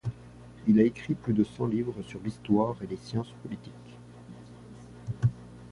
Il a écrit plus de cent livres sur l'histoire et les sciences politiques.